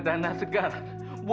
tak usah ragu ragu